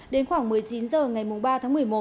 đến khoảng một mươi chín h ngày ba tháng một mươi một